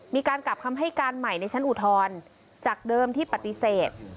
มีการกลับคำให้การใหม่ในชั้นอุทธรณ์จากเดิมที่ปฏิเสธ